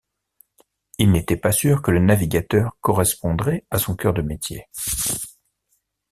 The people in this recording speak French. Il n'était pas sûr que le navigateur correspondrait à son cœur de métier.